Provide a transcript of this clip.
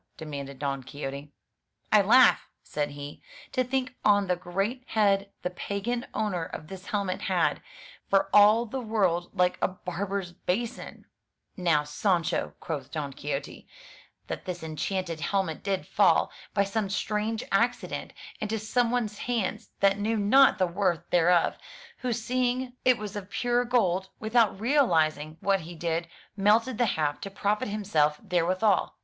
demanded Don Quixote. " I laugh," said he, " to think on the great head the pagan owner of this helmet had; for it is for all the world like a barber's basin." 104 FROM THE TOWER WINDOW "Know, Sancho/' quoth Don Quixote, that this enchanted helmet did fall, by some strange accident, into some one's hands that knew not the worth thereof, who seeing it was of pure gold, without realizing what he did, melted the half, to profit himself therewithal.